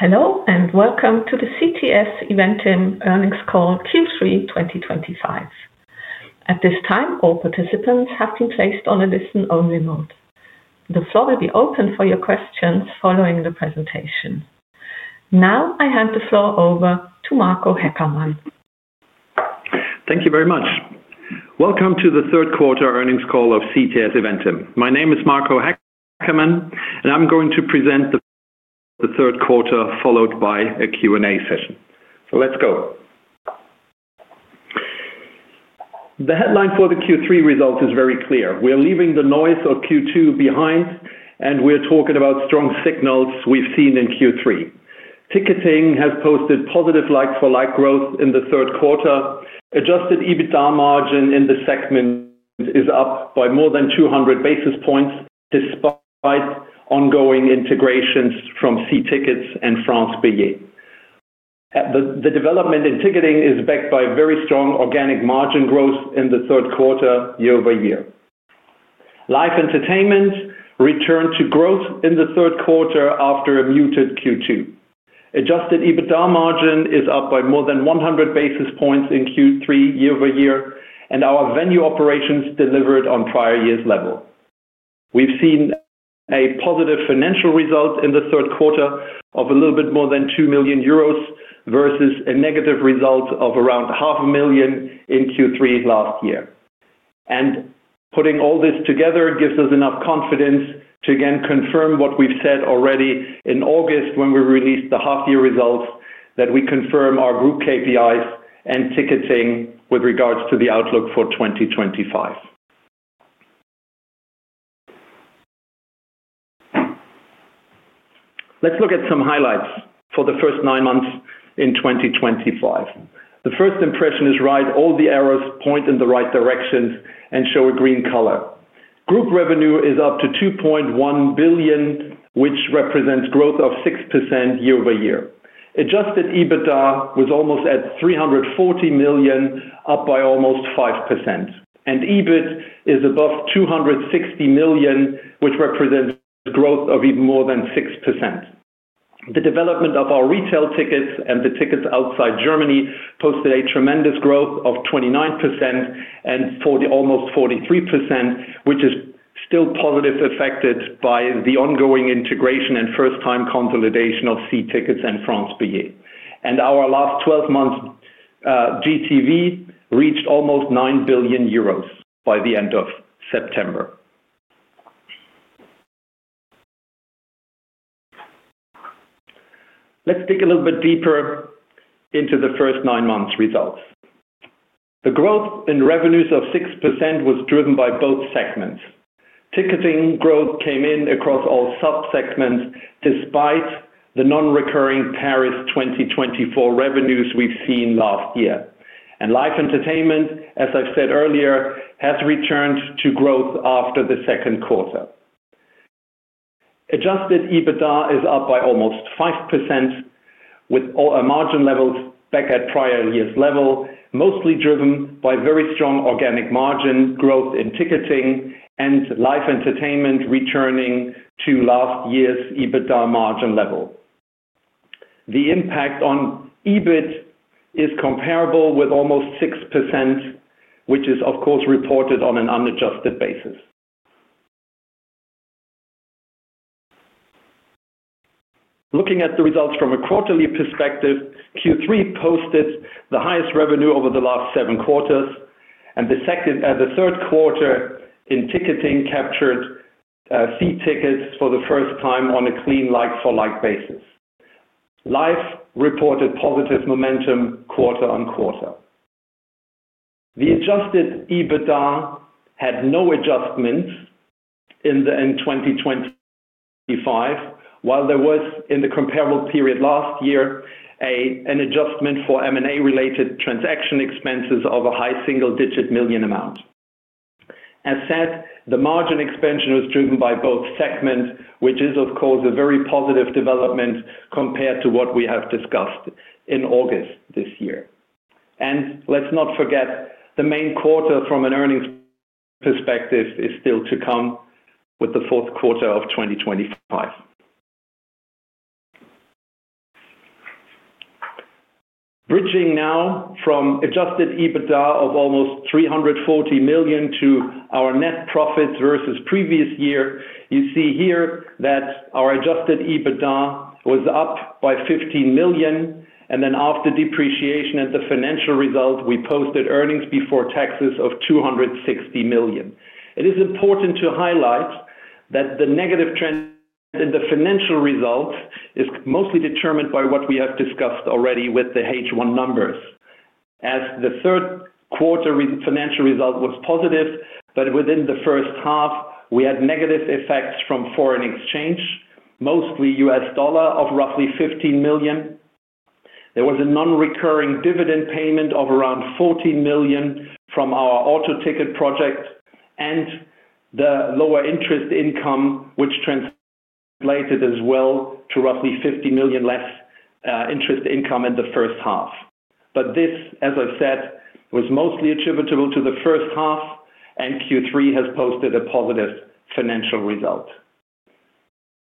Hello, and welcome to the CTS Eventim Earnings Call Q3 2025. At this time, all participants have been placed on a listen-only mode. The floor will be open for your questions following the presentation. Now, I hand the floor over to Marco Haeckermann. Thank you very much. Welcome to the third quarter earnings call of CTS Eventim. My name is Marco Haeckermann, and I'm going to present the third quarter followed by a Q&A session. Let's go. The headline for the Q3 result is very clear. We're leaving the noise of Q2 behind, and we're talking about strong signals we've seen in Q3. Ticketing has posted positive like-for-like growth in the third quarter. Adjusted EBITDA margin in the segment is up by more than 200 basis points despite ongoing integrations from C-tickets and France Billet. The development in ticketing is backed by very strong organic margin growth in the third quarter year over year. Live entertainment returned to growth in the third quarter after a muted Q2. Adjusted EBITDA margin is up by more than 100 basis points in Q3 year over year, and our venue operations delivered on prior year's level. We have seen a positive financial result in the third quarter of a little bit more than 2 million euros versus a negative result of around 500,000 in Q3 last year. Putting all this together gives us enough confidence to again confirm what we have said already in August when we released the half-year results, that we confirm our group KPIs and ticketing with regards to the outlook for 2025. Let's look at some highlights for the first nine months in 2025. The first impression is right. All the arrows point in the right directions and show a green color. Group revenue is up to 2.1 billion, which represents growth of 6% year over year. Adjusted EBITDA was almost at 340 million, up by almost 5%. EBIT is above 260 million, which represents growth of even more than 6%. The development of our retail tickets and the tickets outside Germany posted a tremendous growth of 29% and almost 43%, which is still positively affected by the ongoing integration and first-time consolidation of C-tickets and France Billet. Our last 12 months' GTV reached almost 9 billion euros by the end of September. Let's dig a little bit deeper into the first nine months' results. The growth in revenues of 6% was driven by both segments. Ticketing growth came in across all subsegments despite the non-recurring Paris 2024 revenues we have seen last year. Live entertainment, as I have said earlier, has returned to growth after the second quarter. Adjusted EBITDA is up by almost 5%, with margin levels back at prior year's level, mostly driven by very strong organic margin growth in ticketing and live entertainment returning to last year's EBITDA margin level. The impact on EBIT is comparable with almost 6%, which is, of course, reported on an unadjusted basis. Looking at the results from a quarterly perspective, Q3 posted the highest revenue over the last seven quarters, and the third quarter in ticketing captured C-tickets for the first time on a clean like-for-like basis. Live reported positive momentum quarter on quarter. The adjusted EBITDA had no adjustment in 2025, while there was, in the comparable period last year, an adjustment for M&A-related transaction expenses of a high single-digit million amount. As said, the margin expansion was driven by both segments, which is, of course, a very positive development compared to what we have discussed in August this year. Let's not forget, the main quarter from an earnings perspective is still to come with the fourth quarter of 2025. Bridging now from adjusted EBITDA of almost 340 million to our net profits versus previous year, you see here that our adjusted EBITDA was up by 15 million, and then after depreciation at the financial result, we posted earnings before taxes of 260 million. It is important to highlight that the negative trend in the financial result is mostly determined by what we have discussed already with the H1 numbers, as the third quarter financial result was positive, but within the first half, we had negative effects from foreign exchange, mostly U.S. dollar, of roughly 15 million. There was a non-recurring dividend payment of around 14 million from our auto ticket project and the lower interest income, which translated as well to roughly 50 million less interest income in the first half. This, as I've said, was mostly attributable to the first half, and Q3 has posted a positive financial result.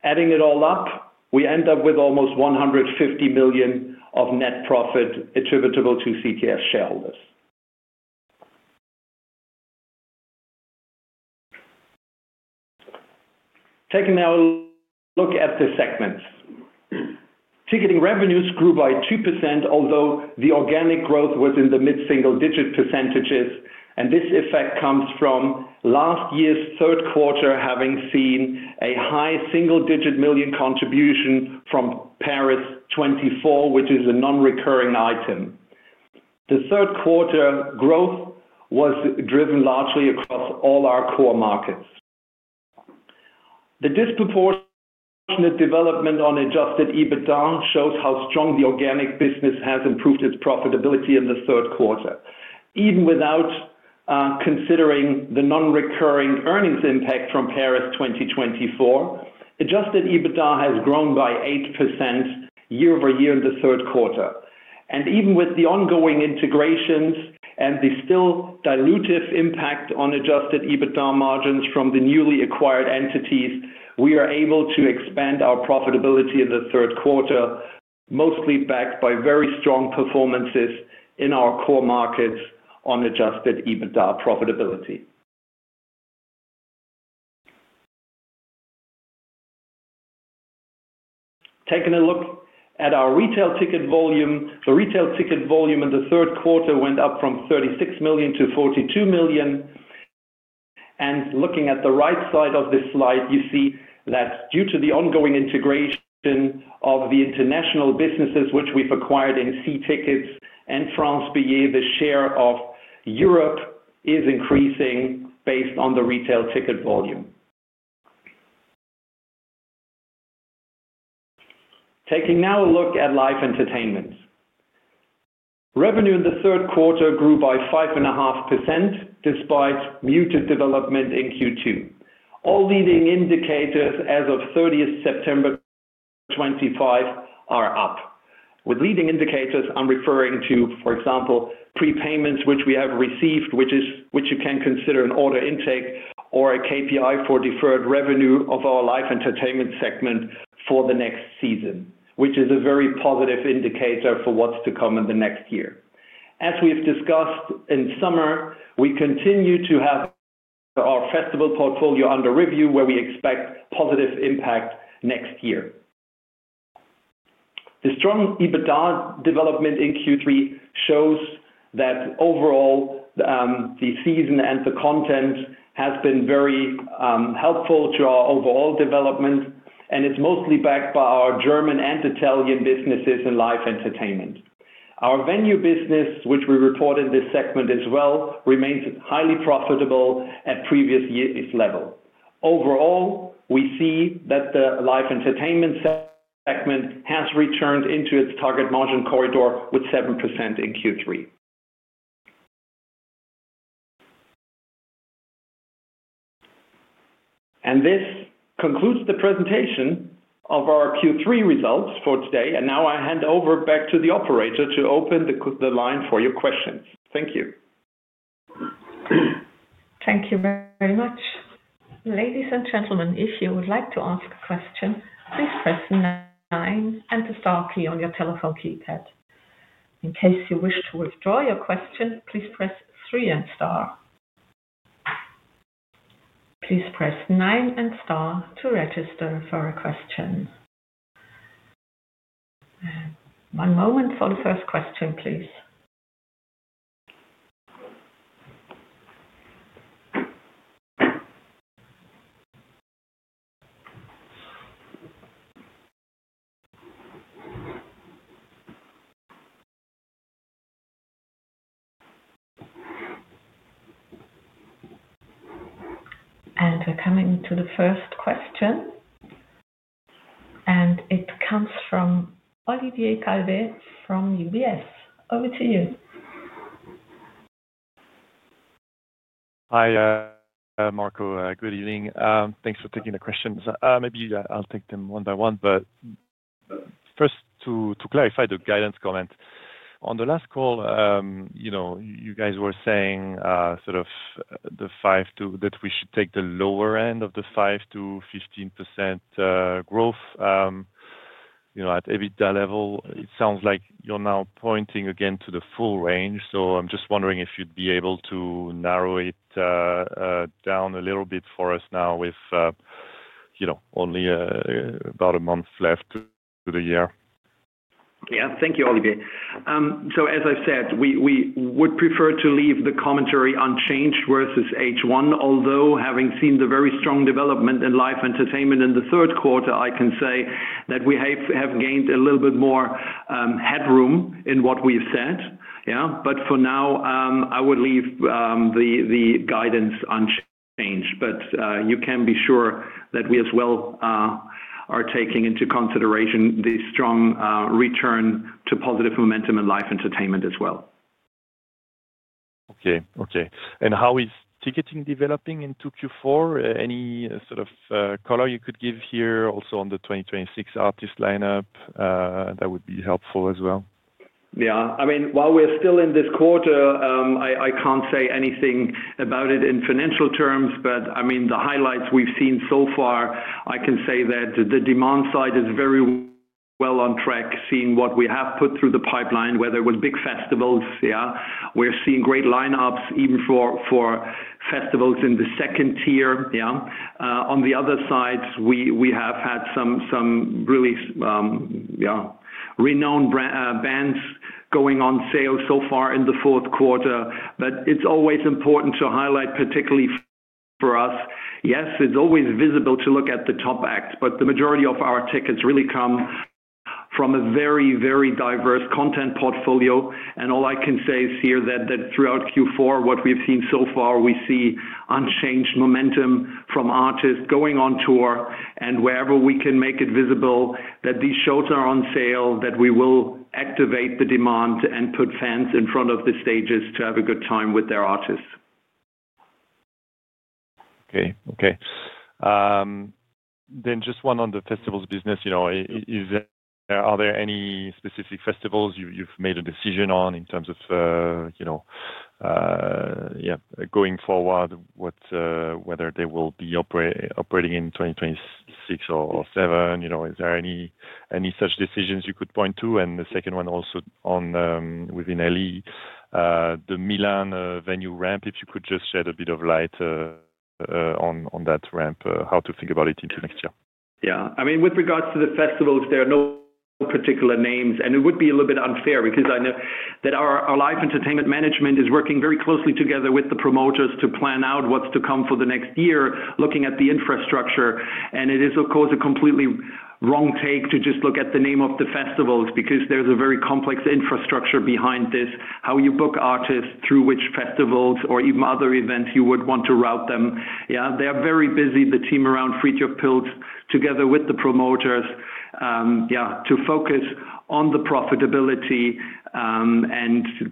Adding it all up, we end up with almost 150 million of net profit attributable to CTS shareholders. Taking now a look at the segments, ticketing revenues grew by 2%, although the organic growth was in the mid-single-digit percentages, and this effect comes from last year's third quarter having seen a high single-digit million contribution from Paris 24, which is a non-recurring item. The third quarter growth was driven largely across all our core markets. The disproportionate development on adjusted EBITDA shows how strong the organic business has improved its profitability in the third quarter. Even without considering the non-recurring earnings impact from Paris 2024, adjusted EBITDA has grown by 8% year over year in the third quarter. Even with the ongoing integrations and the still dilutive impact on adjusted EBITDA margins from the newly acquired entities, we are able to expand our profitability in the third quarter, mostly backed by very strong performances in our core markets on adjusted EBITDA profitability. Taking a look at our retail ticket volume, the retail ticket volume in the third quarter went up from 36 million to 42 million. Looking at the right side of this slide, you see that due to the ongoing integration of the international businesses, which we have acquired in C-tickets and France Billet, the share of Europe is increasing based on the retail ticket volume. Taking now a look at live entertainment, revenue in the third quarter grew by 5.5% despite muted development in Q2. All leading indicators as of 30 September 2025 are up. With leading indicators, I'm referring to, for example, prepayments which we have received, which you can consider an order intake or a KPI for deferred revenue of our live entertainment segment for the next season, which is a very positive indicator for what's to come in the next year. As we've discussed in summer, we continue to have our festival portfolio under review, where we expect positive impact next year. The strong EBITDA development in Q3 shows that overall the season and the content has been very helpful to our overall development, and it's mostly backed by our German and Italian businesses in live entertainment. Our venue business, which we report in this segment as well, remains highly profitable at previous year's level. Overall, we see that the live entertainment segment has returned into its target margin corridor with 7% in Q3. This concludes the presentation of our Q3 results for today, and now I hand over back to the operator to open the line for your questions. Thank you. Thank you very much. Ladies and gentlemen, if you would like to ask a question, please press 9 and the star key on your telephone keypad. In case you wish to withdraw your question, please press 3 and star. Please press 9 and star to register for a question. One moment for the first question, please. We are coming to the first question, and it comes from Olivier Calvet from UBS. Over to you. Hi, Marco. Good evening. Thanks for taking the questions. Maybe I'll take them one by one, but first to clarify the guidance comment. On the last call, you guys were saying sort of that we should take the lower end of the 5%-15% growth at EBITDA level. It sounds like you're now pointing again to the full range, so I'm just wondering if you'd be able to narrow it down a little bit for us now with only about a month left to the year. Yeah, thank you, Olivier. As I've said, we would prefer to leave the commentary unchanged versus H1, although having seen the very strong development in live entertainment in the third quarter, I can say that we have gained a little bit more headroom in what we've said. Yeah, for now, I would leave the guidance unchanged, but you can be sure that we as well are taking into consideration the strong return to positive momentum in live entertainment as well. Okay, okay. How is ticketing developing into Q4? Any sort of color you could give here also on the 2026 artist lineup? That would be helpful as well. Yeah, I mean, while we're still in this quarter, I can't say anything about it in financial terms, but I mean, the highlights we've seen so far, I can say that the demand side is very well on track, seeing what we have put through the pipeline, whether with big festivals. Yeah, we're seeing great lineups even for festivals in the second tier. Yeah, on the other side, we have had some really renowned bands going on sale so far in the fourth quarter, but it's always important to highlight, particularly for us, yes, it's always visible to look at the top acts, but the majority of our tickets really come from a very, very diverse content portfolio. All I can say is here that throughout Q4, what we've seen so far, we see unchanged momentum from artists going on tour, and wherever we can make it visible that these shows are on sale, that we will activate the demand and put fans in front of the stages to have a good time with their artists. Okay, okay. Just one on the festivals business. Are there any specific festivals you've made a decision on in terms of going forward, whether they will be operating in 2026 or 2027? Is there any such decisions you could point to? The second one also within LE, the Milan venue ramp, if you could just shed a bit of light on that ramp, how to think about it into next year. Yeah, I mean, with regards to the festivals, there are no particular names, and it would be a little bit unfair because I know that our live entertainment management is working very closely together with the promoters to plan out what's to come for the next year, looking at the infrastructure. It is, of course, a completely wrong take to just look at the name of the festivals because there's a very complex infrastructure behind this, how you book artists, through which festivals or even other events you would want to route them. Yeah, they are very busy, the team around Free Your Pills, together with the promoters, to focus on the profitability.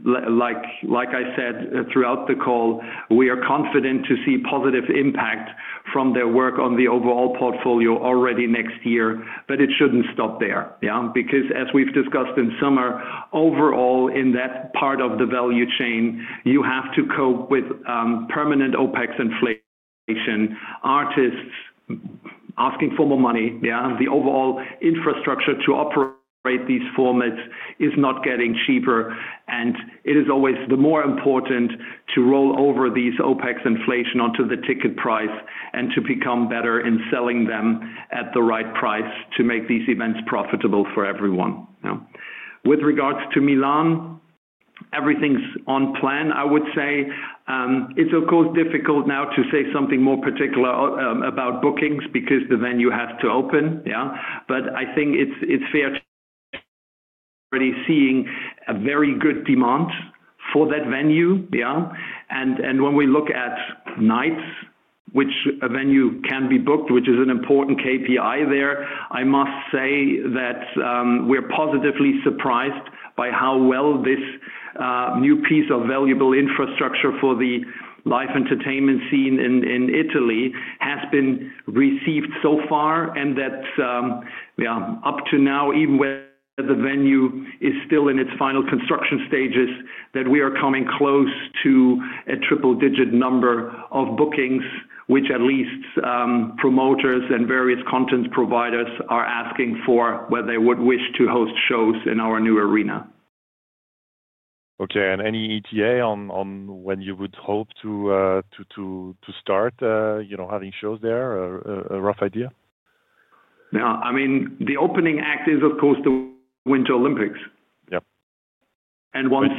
Like I said throughout the call, we are confident to see positive impact from their work on the overall portfolio already next year, but it shouldn't stop there. Yeah, because as we've discussed in summer, overall, in that part of the value chain, you have to cope with permanent OpeX inflation, artists asking for more money. Yeah, the overall infrastructure to operate these formats is not getting cheaper, and it is always the more important to roll over these OpeX inflation onto the ticket price and to become better in selling them at the right price to make these events profitable for everyone. With regards to Milan, everything's on plan, I would say. It's, of course, difficult now to say something more particular about bookings because the venue has to open. Yeah, but I think it's fair to be seeing a very good demand for that venue. Yeah, and when we look at nights, which a venue can be booked, which is an important KPI there, I must say that we're positively surprised by how well this new piece of valuable infrastructure for the live entertainment scene in Italy has been received so far, and that up to now, even where the venue is still in its final construction stages, that we are coming close to a triple-digit number of bookings, which at least promoters and various content providers are asking for where they would wish to host shows in our new arena. Okay, and any ETA on when you would hope to start having shows there? A rough idea? Yeah, I mean, the opening act is, of course, the Winter Olympics. Yeah. Once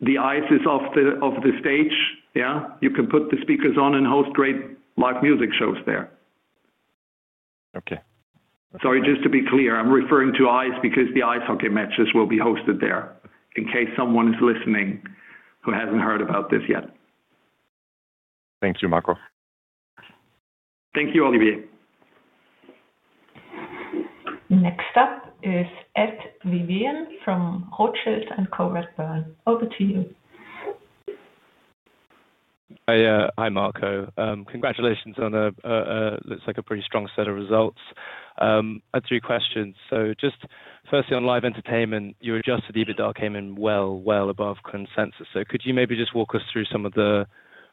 the ice is off the stage, yeah, you can put the speakers on and host great live music shows there. Okay. Sorry, just to be clear, I'm referring to ice because the ice hockey matches will be hosted there in case someone is listening who hasn't heard about this yet. Thank you, Marco. Thank you, Olivier. Next up is Ed Vivian from Rothschild & Co. Over to you. Hi, Marco. Congratulations on a, looks like a pretty strong set of results. I have three questions. Just firstly, on live entertainment, your adjusted EBITDA came in well, well above consensus. Could you maybe just walk us through some of the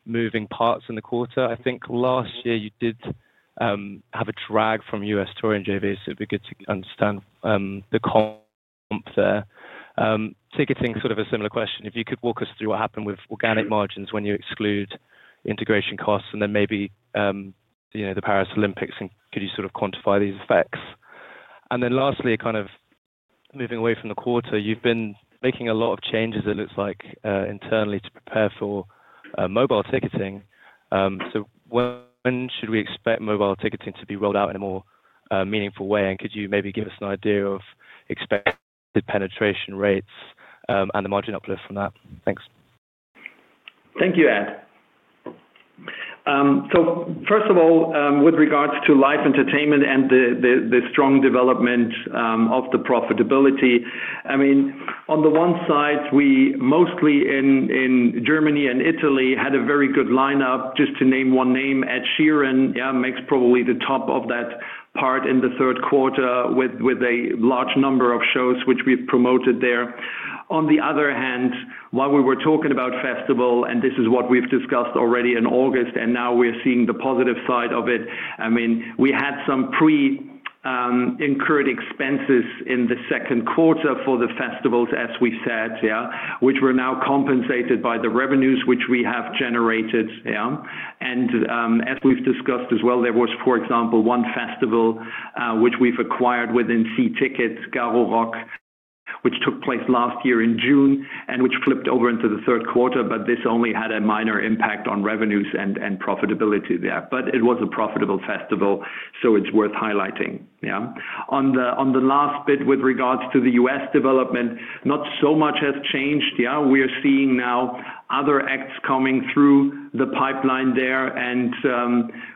moving parts in the quarter? I think last year you did have a drag from U.S. touring, JV, so it'd be good to understand the comp there. Ticketing, sort of a similar question. If you could walk us through what happened with organic margins when you exclude integration costs and then maybe the Paris Olympics, and could you sort of quantify these effects? Lastly, kind of moving away from the quarter, you've been making a lot of changes, it looks like, internally to prepare for mobile ticketing. When should we expect mobile ticketing to be rolled out in a more meaningful way? Could you maybe give us an idea of expected penetration rates and the margin uplift from that? Thanks. Thank you, Ed. First of all, with regards to live entertainment and the strong development of the profitability, I mean, on the one side, we mostly in Germany and Italy had a very good lineup. Just to name one name, Ed Sheeran, yeah, makes probably the top of that part in the third quarter with a large number of shows which we've promoted there. On the other hand, while we were talking about festival, and this is what we've discussed already in August, and now we're seeing the positive side of it, I mean, we had some pre-incurred expenses in the second quarter for the festivals, as we said, yeah, which were now compensated by the revenues which we have generated. Yeah, and as we've discussed as well, there was, for example, one festival which we've acquired within C-tickets, Gahorok, which took place last year in June and which flipped over into the third quarter, but this only had a minor impact on revenues and profitability there, but it was a profitable festival, so it's worth highlighting. Yeah, on the last bit with regards to the U.S. development, not so much has changed. Yeah, we are seeing now other acts coming through the pipeline there, and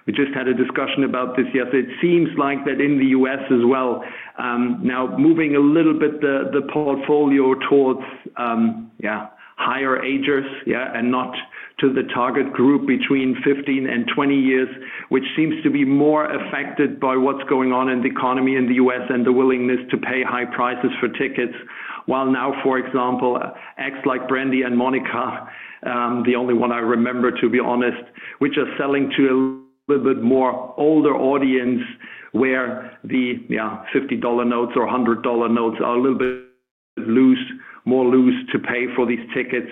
we just had a discussion about this. Yes, it seems like that in the U.S. as well, now moving a little bit the portfolio towards, yeah, higher agers, yeah, and not to the target group between 15 and 20 years, which seems to be more affected by what's going on in the economy in the U.S. and the willingness to pay high prices for tickets. While now, for example, acts like Brandy and Monica, the only one I remember, to be honest, which are selling to a little bit more older audience, where the, yeah, $50 notes or $100 notes are a little bit loose, more loose to pay for these tickets.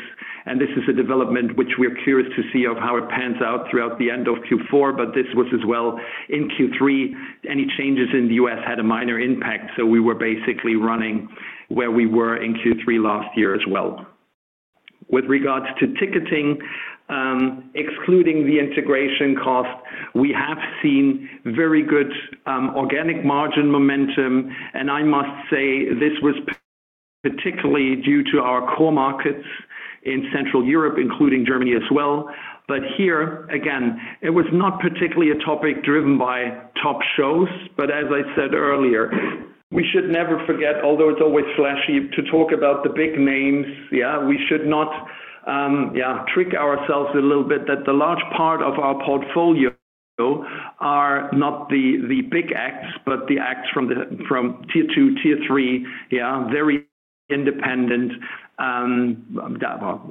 This is a development which we're curious to see of how it pans out throughout the end of Q4, but this was as well in Q3. Any changes in the U.S. had a minor impact, so we were basically running where we were in Q3 last year as well. With regards to ticketing, excluding the integration cost, we have seen very good organic margin momentum, and I must say this was particularly due to our core markets in Central Europe, including Germany as well. Here, again, it was not particularly a topic driven by top shows, but as I said earlier, we should never forget, although it's always flashy, to talk about the big names. Yeah, we should not, yeah, trick ourselves a little bit that the large part of our portfolio are not the big acts, but the acts from Tier 2, Tier 3, yeah, very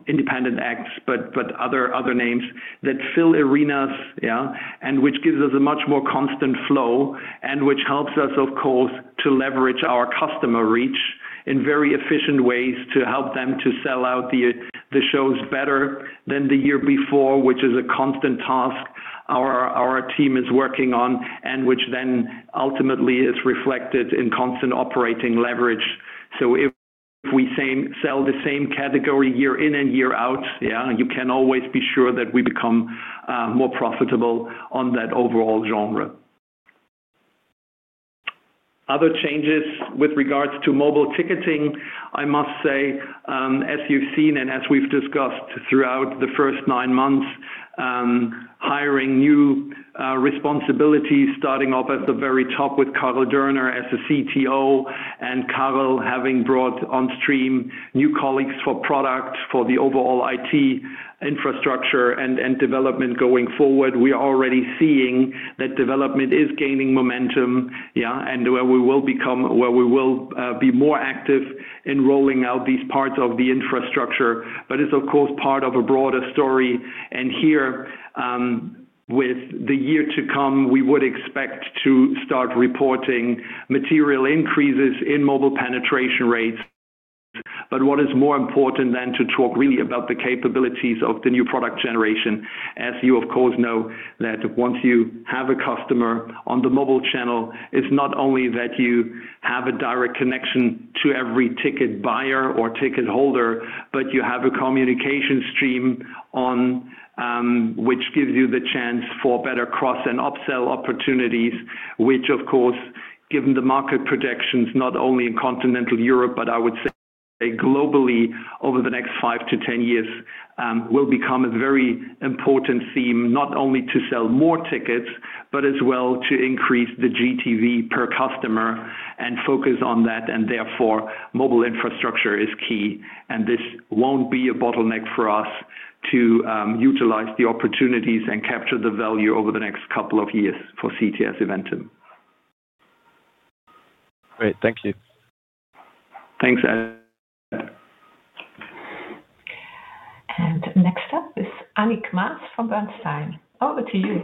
independent acts, but other names that fill arenas, yeah, and which gives us a much more constant flow and which helps us, of course, to leverage our customer reach in very efficient ways to help them to sell out the shows better than the year before, which is a constant task our team is working on and which then ultimately is reflected in constant operating leverage. If we sell the same category year in and year out, yeah, you can always be sure that we become more profitable on that overall genre. Other changes with regards to mobile ticketing, I must say, as you've seen and as we've discussed throughout the first nine months, hiring new responsibilities starting off at the very top with Carla Derner as CTO and Carla having brought on stream new colleagues for product for the overall IT infrastructure and development going forward. We are already seeing that development is gaining momentum, yeah, and where we will become, where we will be more active in rolling out these parts of the infrastructure, but it's, of course, part of a broader story. Here, with the year to come, we would expect to start reporting material increases in mobile penetration rates. What is more important than to talk really about the capabilities of the new product generation, as you, of course, know that once you have a customer on the mobile channel, it's not only that you have a direct connection to every ticket buyer or ticket holder, but you have a communication stream which gives you the chance for better cross and upsell opportunities, which, of course, given the market projections not only in continental Europe, but I would say globally over the next five to ten years, will become a very important theme, not only to sell more tickets, but as well to increase the GTV per customer and focus on that. Therefore, mobile infrastructure is key, and this won't be a bottleneck for us to utilize the opportunities and capture the value over the next couple of years for CTS Eventim. Great, thank you. Thanks, Ed. Next up is Annick Maas from Bernstein. Over to you.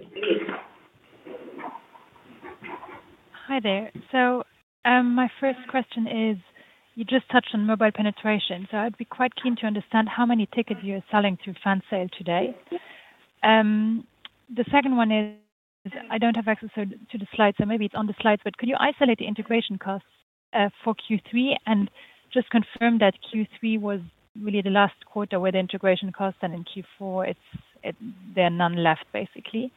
Hi there. My first question is, you just touched on mobile penetration, so I'd be quite keen to understand how many tickets you're selling through Fansale today. The second one is, I don't have access to the slides, so maybe it's on the slides, but could you isolate the integration costs for Q3 and just confirm that Q3 was really the last quarter with integration costs, and in Q4, there are none left, basically.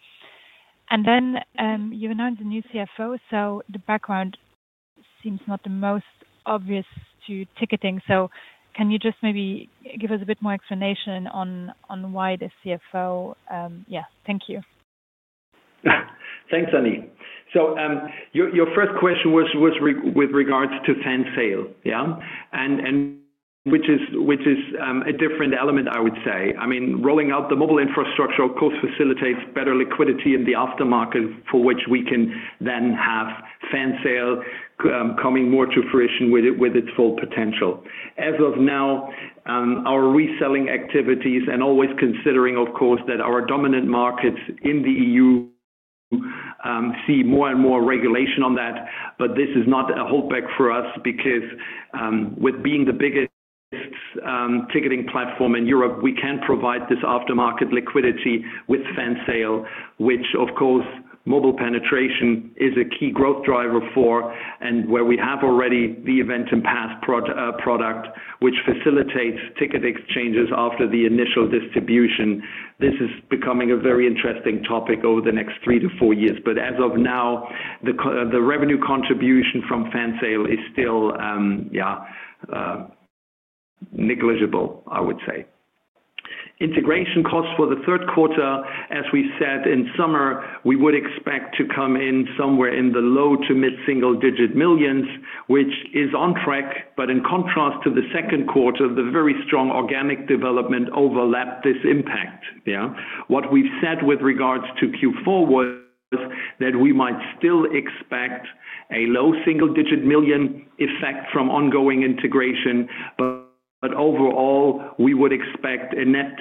You announced the new CFO, so the background seems not the most obvious to ticketing. Can you just maybe give us a bit more explanation on why the CFO? Yeah, thank you. Thanks, Annick. Your first question was with regards to Fansale, yeah, which is a different element, I would say. I mean, rolling out the mobile infrastructure, of course, facilitates better liquidity in the aftermarket for which we can then have Fansale coming more to fruition with its full potential. As of now, our reselling activities and always considering, of course, that our dominant markets in the EU see more and more regulation on that, but this is not a holdback for us because with being the biggest ticketing platform in Europe, we can provide this aftermarket liquidity with Fansale, which, of course, mobile penetration is a key growth driver for, and where we have already the Eventim Pass product, which facilitates ticket exchanges after the initial distribution. This is becoming a very interesting topic over the next three to four years, but as of now, the revenue contribution from Fansale is still, yeah, negligible, I would say. Integration costs for the third quarter, as we said in summer, we would expect to come in somewhere in the low to mid single-digit millions, which is on track, but in contrast to the second quarter, the very strong organic development overlapped this impact. Yeah, what we've said with regards to Q4 was that we might still expect a low single-digit million effect from ongoing integration, but overall, we would expect a net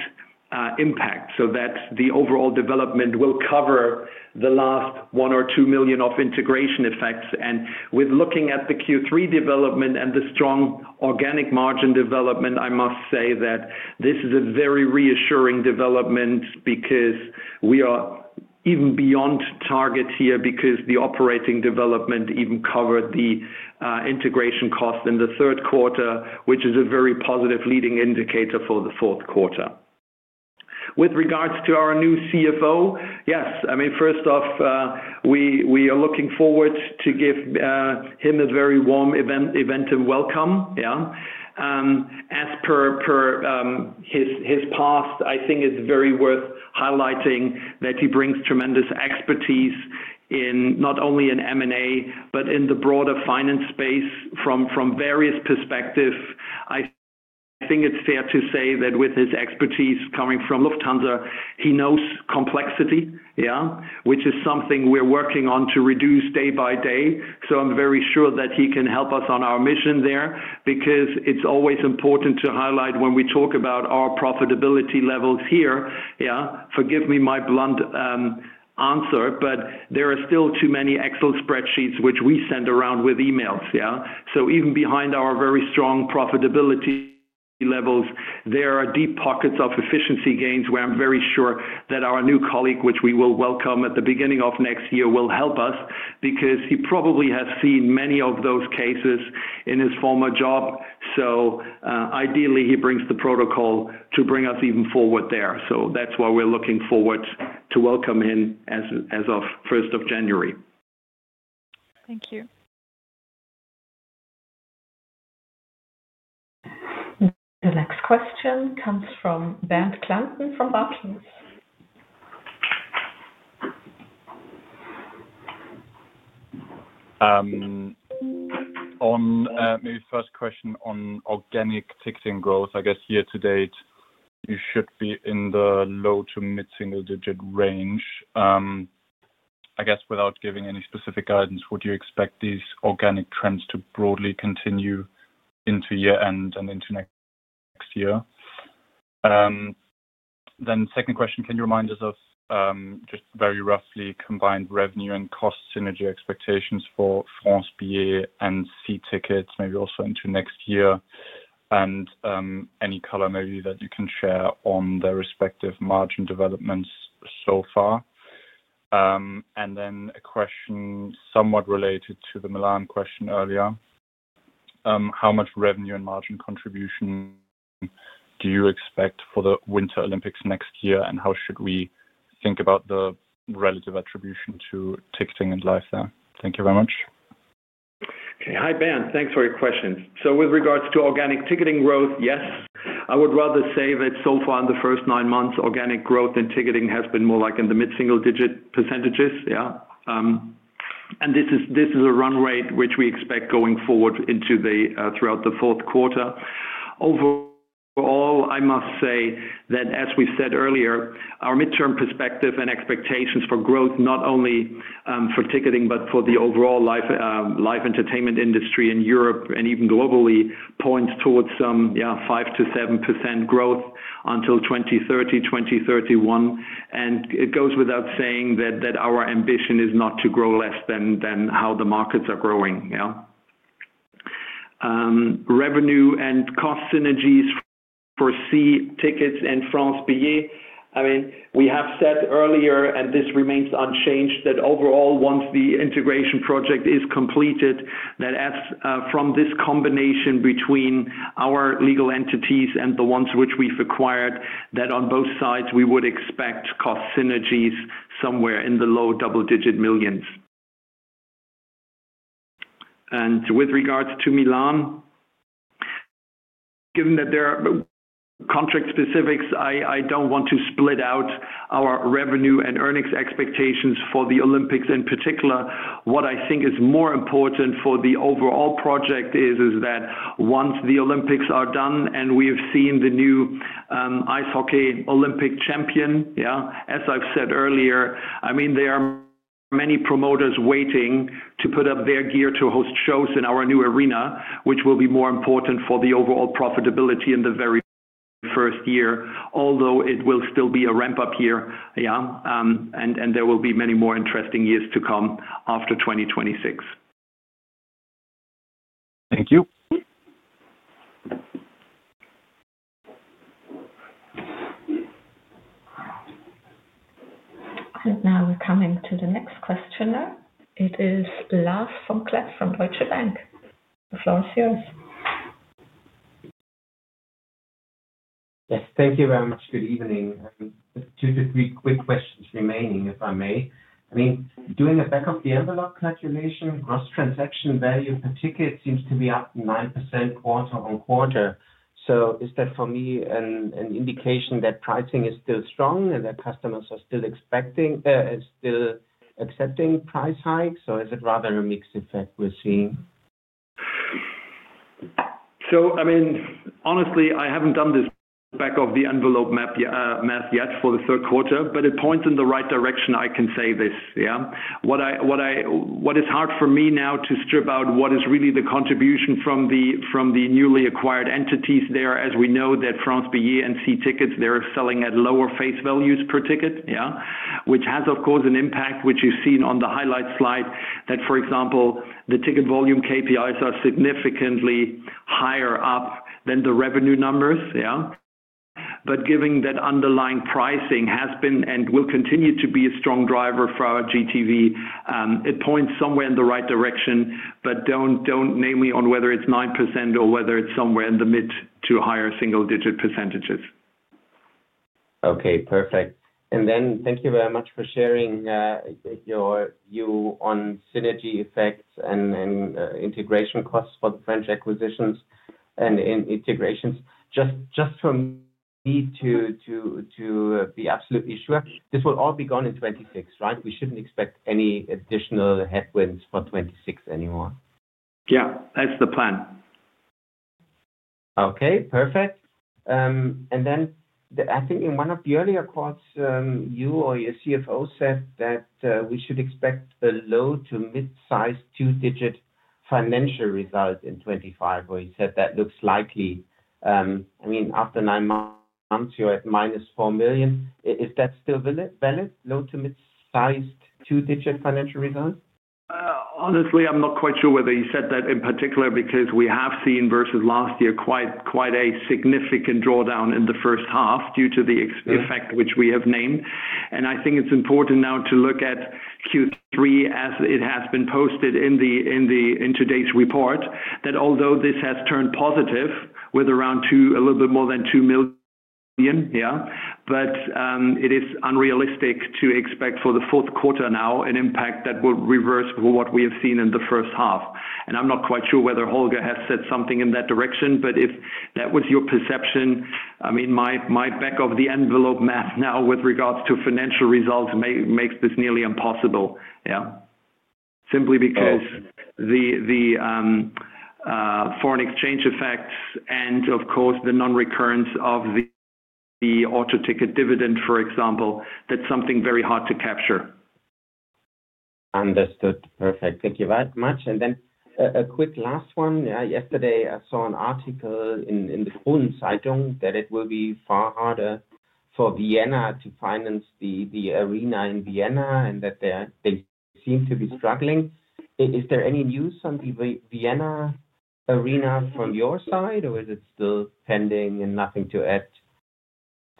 impact so that the overall development will cover the last one or two million of integration effects. With looking at the Q3 development and the strong organic margin development, I must say that this is a very reassuring development because we are even beyond target here because the operating development even covered the integration cost in the third quarter, which is a very positive leading indicator for the fourth quarter. With regards to our new CFO, yes, I mean, first off, we are looking forward to give him a very warm Eventim welcome. Yeah, as per his past, I think it's very worth highlighting that he brings tremendous expertise not only in M&A, but in the broader finance space from various perspectives. I think it's fair to say that with his expertise coming from Lufthansa, he knows complexity, yeah, which is something we're working on to reduce day by day. I'm very sure that he can help us on our mission there because it's always important to highlight when we talk about our profitability levels here. Yeah, forgive me my blunt answer, but there are still too many Excel spreadsheets which we send around with emails. Yeah, so even behind our very strong profitability levels, there are deep pockets of efficiency gains where I'm very sure that our new colleague, which we will welcome at the beginning of next year, will help us because he probably has seen many of those cases in his former job. Ideally, he brings the protocol to bring us even forward there. That's why we're looking forward to welcome him as of 1st of January. Thank you. The next question comes from Bernd Klampen from Bartholomäus. On my first question on organic ticketing growth, I guess year to date, you should be in the low to mid single-digit range. I guess without giving any specific guidance, would you expect these organic trends to broadly continue into year end and into next year? Second question, can you remind us of just very roughly combined revenue and cost synergy expectations for France Billet and C-tickets, maybe also into next year, and any color maybe that you can share on their respective margin developments so far? A question somewhat related to the Milan question earlier. How much revenue and margin contribution do you expect for the Winter Olympics next year, and how should we think about the relative attribution to ticketing and live there? Thank you very much. Okay, hi Bernd, thanks for your questions. With regards to organic ticketing growth, yes, I would rather say that so far in the first nine months, organic growth in ticketing has been more like in the mid single-digit percentages. Yeah, and this is a run rate which we expect going forward into throughout the fourth quarter. Overall, I must say that as we said earlier, our midterm perspective and expectations for growth, not only for ticketing, but for the overall live entertainment industry in Europe and even globally, points towards some, yeah, 5-7% growth until 2030, 2031. It goes without saying that our ambition is not to grow less than how the markets are growing. Yeah, revenue and cost synergies for C-tickets and France Billet, I mean, we have said earlier, and this remains unchanged, that overall, once the integration project is completed, that from this combination between our legal entities and the ones which we've acquired, that on both sides, we would expect cost synergies somewhere in the low double-digit millions. And with regards to Milan, given that there are contract specifics, I don't want to split out our revenue and earnings expectations for the Olympics in particular. What I think is more important for the overall project is that once the Olympics are done and we have seen the new ice hockey Olympic champion, yeah, as I've said earlier, I mean, there are many promoters waiting to put up their gear to host shows in our new arena, which will be more important for the overall profitability in the very first year, although it will still be a ramp-up year, yeah, and there will be many more interesting years to come after 2026. Thank you. We are coming to the next questioner. It is Lars von Klett from Deutsche Bank. The floor is yours. Yes, thank you very much. Good evening. Just two to three quick questions remaining, if I may. I mean, doing a back-of-the-envelope calculation, gross transaction value per ticket seems to be up 9% quarter on quarter. Is that for me an indication that pricing is still strong and that customers are still accepting price hikes, or is it rather a mixed effect we are seeing? I mean, honestly, I haven't done this back-of-the-envelope math yet for the third quarter, but it points in the right direction, I can say this. Yeah, what is hard for me now is to strip out what is really the contribution from the newly acquired entities there, as we know that France Billet and C-tickets, they're selling at lower face values per ticket, yeah, which has, of course, an impact, which you've seen on the highlight slide, that, for example, the ticket volume KPIs are significantly higher up than the revenue numbers. Yeah, but given that underlying pricing has been and will continue to be a strong driver for our GTV. It points somewhere in the right direction, but don't name me on whether it's 9% or whether it's somewhere in the mid to higher single-digit percentages. Okay, perfect. Thank you very much for sharing your view on synergy effects and integration costs for the French acquisitions and integrations. Just for me to be absolutely sure, this will all be gone in 2026, right? We should not expect any additional headwinds for 2026 anymore. Yeah, that's the plan. Okay, perfect. I think in one of the earlier calls, you or your CFO said that we should expect a low to mid-sized two-digit financial result in 2025, where you said that looks likely. I mean, after nine months, you're at minus 4 million. Is that still valid, low to mid-sized two-digit financial result? Honestly, I'm not quite sure whether he said that in particular because we have seen, versus last year, quite a significant drawdown in the first half due to the effect which we have named. I think it's important now to look at Q3 as it has been posted in today's report, that although this has turned positive with around a little bit more than 2 million, yeah, it is unrealistic to expect for the fourth quarter now an impact that will reverse what we have seen in the first half. I'm not quite sure whether Holger has said something in that direction, but if that was your perception, I mean, my back-of-the-envelope math now with regards to financial results makes this nearly impossible, yeah, simply because the foreign exchange effects and, of course, the non-recurrence of the auto ticket dividend, for example, that's something very hard to capture. Understood. Perfect. Thank you very much. A quick last one. Yesterday, I saw an article in the Kronen Zeitung that it will be far harder for Vienna to finance the arena in Vienna and that they seem to be struggling. Is there any news on the Vienna arena from your side, or is it still pending and nothing to add to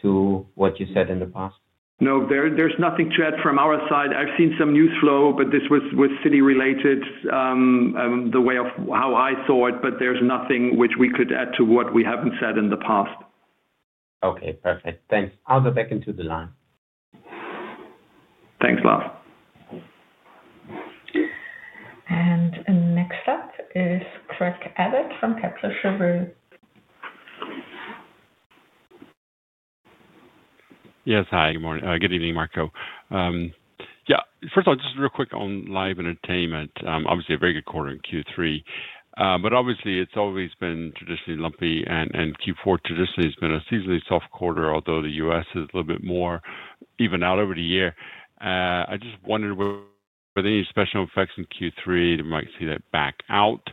what you said in the past? No, there's nothing to add from our side. I've seen some news flow, but this was city-related, the way of how I saw it, but there's nothing which we could add to what we haven't said in the past. Okay, perfect. Thanks. I'll go back into the line. Thanks, Lars. Next up is Craig Abbott from Capital Sherbrooke. Yes, hi. Good morning. Good evening, Marco. First off, just real quick on live entertainment. Obviously, a very good quarter in Q3, but obviously, it's always been traditionally lumpy, and Q4 traditionally has been a seasonally soft quarter, although the U.S. is a little bit more even out over the year. I just wondered whether any special effects in Q3, they might see that back out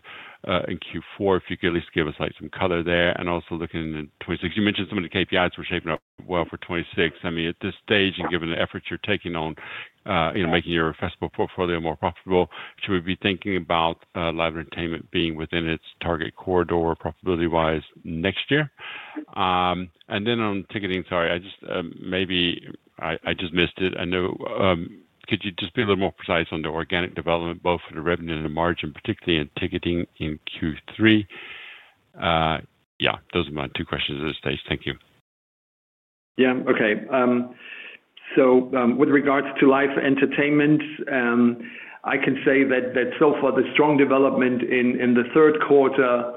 in Q4, if you could at least give us some color there. Also looking in 2026, you mentioned some of the KPIs were shaping up well for 2026. I mean, at this stage, and given the efforts you're taking on making your festival portfolio more profitable, should we be thinking about live entertainment being within its target corridor profitability-wise next year? Then on ticketing, sorry, maybe I just missed it. I know. Could you just be a little more precise on the organic development, both for the revenue and the margin, particularly in ticketing in Q3? Yeah, those are my two questions at this stage. Thank you. Yeah, okay. With regards to live entertainment, I can say that so far the strong development in the third quarter,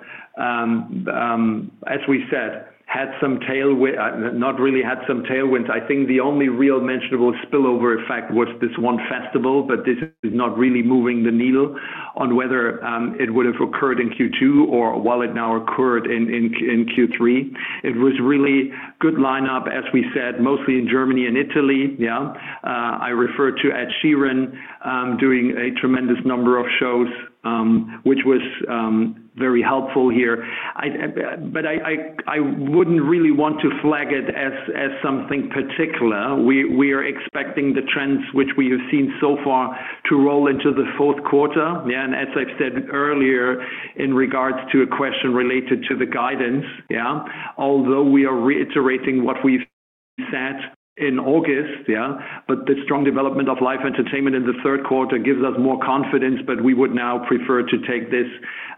as we said, had some tailwinds, not really had some tailwinds. I think the only real mentionable spillover effect was this one festival, but this is not really moving the needle on whether it would have occurred in Q2 or while it now occurred in Q3. It was really good lineup, as we said, mostly in Germany and Italy. Yeah, I refer to Ed Sheeran doing a tremendous number of shows, which was very helpful here. I wouldn't really want to flag it as something particular. We are expecting the trends which we have seen so far to roll into the fourth quarter. Yeah, and as I've said earlier, in regards to a question related to the guidance, yeah, although we are reiterating what we've said in August, yeah, the strong development of live entertainment in the third quarter gives us more confidence. We would now prefer to take this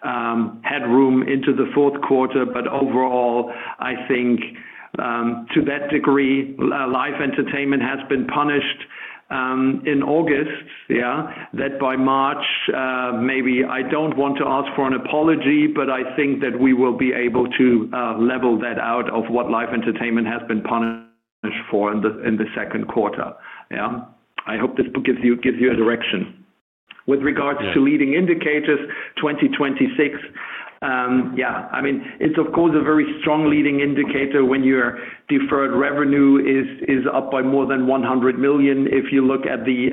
headroom into the fourth quarter. Overall, I think to that degree, live entertainment has been punished in August, yeah, that by March, maybe I don't want to ask for an apology, but I think that we will be able to level that out of what live entertainment has been punished for in the second quarter. Yeah, I hope this book gives you a direction. With regards to leading indicators, 2026, yeah, I mean, it's of course a very strong leading indicator when your deferred revenue is up by more than 100 million. If you look at the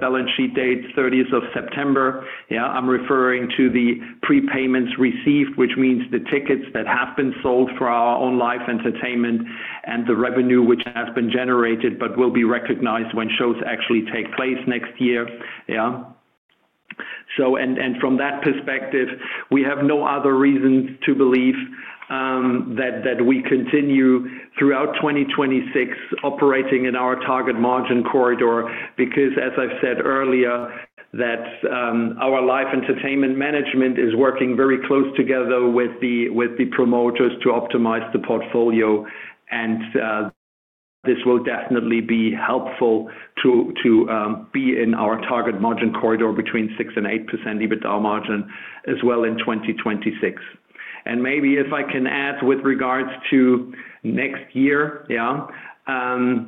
balance sheet date, 30th of September, yeah, I'm referring to the prepayments received, which means the tickets that have been sold for our own live entertainment and the revenue which has been generated, but will be recognized when shows actually take place next year. Yeah, from that perspective, we have no other reason to believe that we continue throughout 2026 operating in our target margin corridor because, as I've said earlier, our live entertainment management is working very close together with the promoters to optimize the portfolio, and this will definitely be helpful to be in our target margin corridor between 6%-8% EBITDA margin as well in 2026. Maybe if I can add with regards to next year, yeah,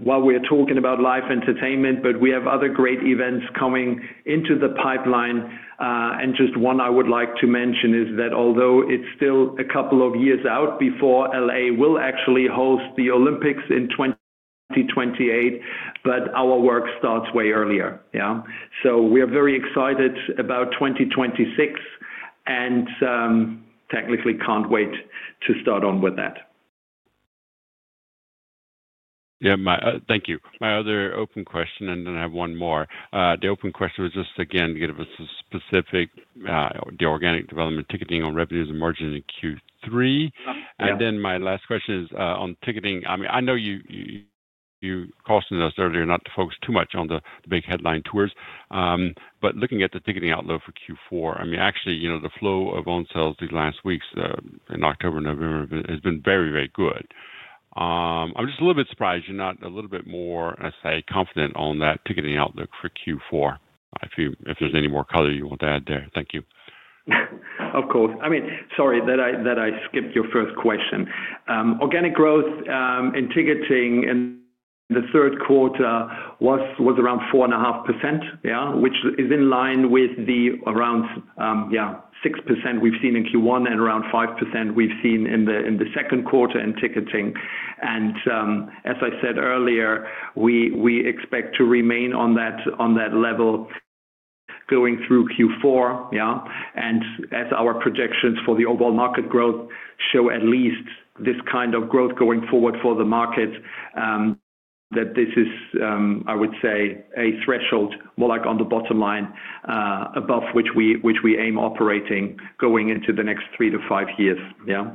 while we're talking about live entertainment, we have other great events coming into the pipeline. Just one I would like to mention is that although it's still a couple of years out before Los Angeles will actually host the Olympics in 2028, our work starts way earlier. Yeah, we are very excited about 2026 and technically can't wait to start on with that. Yeah, thank you. My other open question, and then I have one more. The open question was just again to give us a specific, the organic development, ticketing on revenues and margin in Q3. Then my last question is on ticketing. I mean, I know you cautioned us earlier not to focus too much on the big headline tours, but looking at the ticketing outlook for Q4, I mean, actually, the flow of own sales these last weeks in October and November has been very, very good. I'm just a little bit surprised you're not a little bit more, let's say, confident on that ticketing outlook for Q4. If there's any more color you want to add there, thank you. Of course. I mean, sorry that I skipped your first question. Organic growth in ticketing in the third quarter was around 4.5%, yeah, which is in line with the around, yeah, 6% we've seen in Q1 and around 5% we've seen in the second quarter in ticketing. As I said earlier, we expect to remain on that level going through Q4, yeah, and as our projections for the overall market growth show at least this kind of growth going forward for the market, that this is, I would say, a threshold more like on the bottom line above which we aim operating going into the next three to five years. Yeah,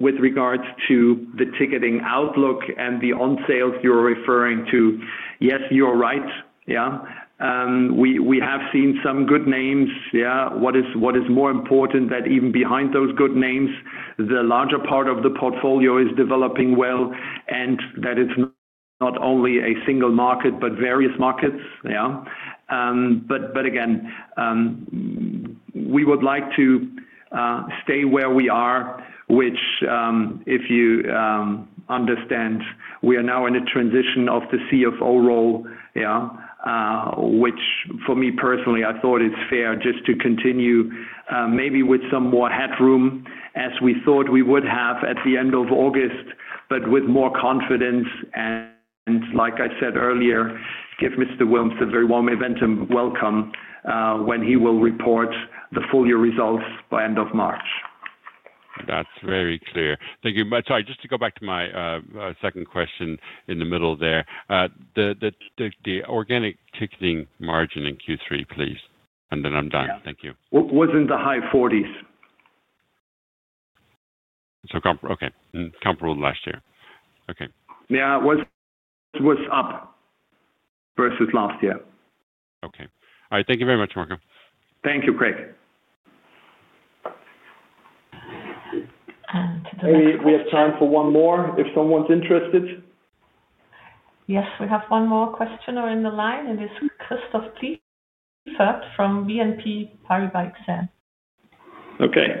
with regards to the ticketing outlook and the on sales you're referring to, yes, you're right. Yeah, we have seen some good names. Yeah, what is more important is that even behind those good names, the larger part of the portfolio is developing well and that it's not only a single market, but various markets. Yeah, we would like to stay where we are, which if you understand, we are now in a transition of the CFO role, which for me personally, I thought it's fair just to continue maybe with some more headroom as we thought we would have at the end of August, but with more confidence and like I said earlier, give Mr. Willms a very warm event and welcome when he will report the full year results by end of March. That's very clear. Thank you. Sorry, just to go back to my second question in the middle there, the organic ticketing margin in Q3, please, and then I'm done. Thank you. Was in the high 40s. Okay, comparable to last year. Okay. Yeah, it was up versus last year. Okay. All right. Thank you very much, Marco. Thank you, Craig. Maybe we have time for one more if someone's interested. Yes, we have one more question in the line, and it's Christoph Pleasert from BNP Paribas Exane. Okay.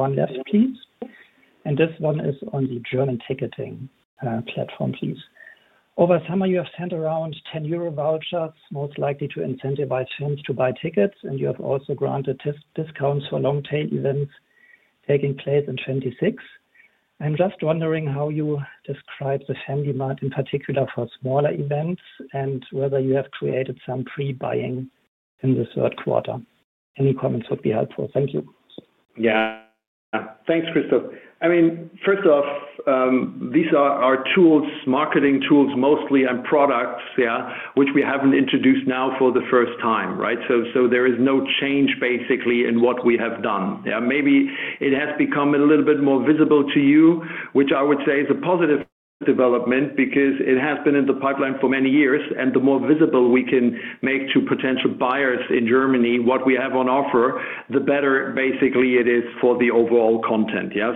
Good evening and thank you for taking my question. I have one last piece, and this one is on the German ticketing platform, please. Over summer, you have sent around 10 euro vouchers most likely to incentivize firms to buy tickets, and you have also granted discounts for long-tail events taking place in 2026. I'm just wondering how you describe the family market in particular for smaller events and whether you have created some pre-buying in the third quarter. Any comments would be helpful. Thank you. Yeah, thanks, Christoph. I mean, first off, these are our tools, marketing tools mostly and products, yeah, which we haven't introduced now for the first time, right? There is no change basically in what we have done. Yeah, maybe it has become a little bit more visible to you, which I would say is a positive development because it has been in the pipeline for many years, and the more visible we can make to potential buyers in Germany what we have on offer, the better basically it is for the overall content. Yeah,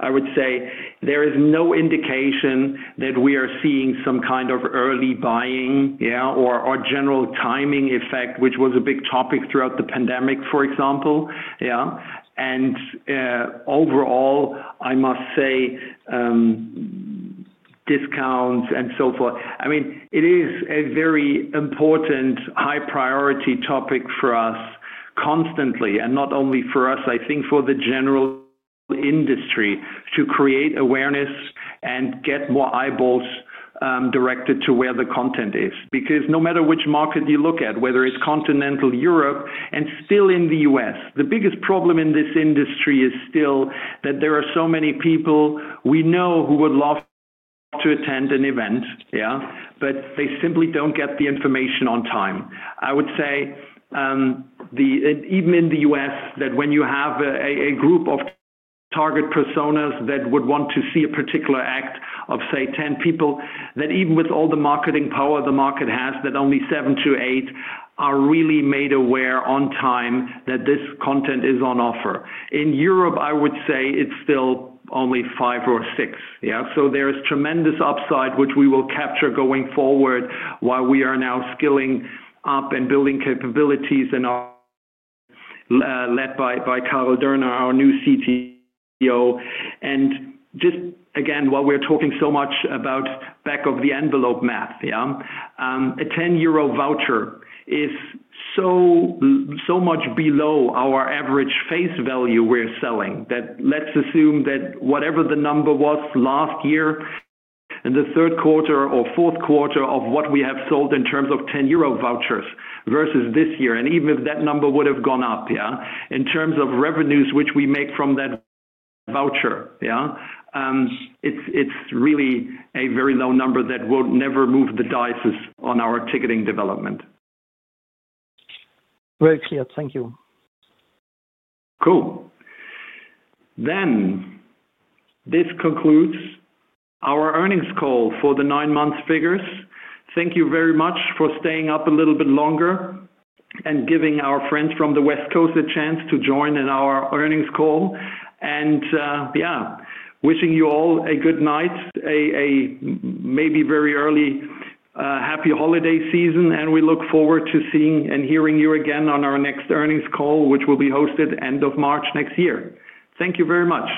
I would say there is no indication that we are seeing some kind of early buying, yeah, or general timing effect, which was a big topic throughout the pandemic, for example. Yeah, and overall, I must say discounts and so forth. I mean, it is a very important high-priority topic for us constantly, and not only for us, I think for the general industry to create awareness and get more eyeballs directed to where the content is because no matter which market you look at, whether it's continental Europe and still in the U.S., the biggest problem in this industry is still that there are so many people we know who would love to attend an event, yeah, but they simply don't get the information on time. I would say even in the U.S. that when you have a group of target personas that would want to see a particular act of, say, 10 people, that even with all the marketing power the market has, that only seven to eight are really made aware on time that this content is on offer. In Europe, I would say it's still only five or six. Yeah, there is tremendous upside, which we will capture going forward while we are now skilling up and building capabilities and led by Carla Derner, our new CTO. Just again, while we're talking so much about back-of-the-envelope math, yeah, a 10 euro voucher is so much below our average face value we're selling that let's assume that whatever the number was last year in the third quarter or fourth quarter of what we have sold in terms of 10 euro vouchers versus this year, and even if that number would have gone up, yeah, in terms of revenues which we make from that voucher, yeah, it's really a very low number that will never move the dices on our ticketing development. Very clear. Thank you. Cool. This concludes our earnings call for the nine-month figures. Thank you very much for staying up a little bit longer and giving our friends from the West Coast a chance to join in our earnings call. Yeah, wishing you all a good night, a maybe very early happy holiday season, and we look forward to seeing and hearing you again on our next earnings call, which will be hosted end of March next year. Thank you very much.